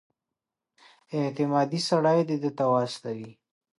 اعتمادي سړی دې ده ته واستوي.